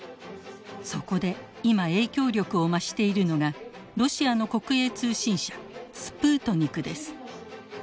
そこで今影響力を増しているのがロシアの国営通信社スプートニクです。